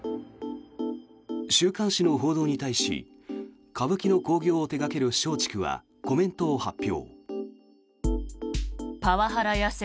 週刊誌の報道に対し歌舞伎の興行を手掛ける松竹はコメントを発表。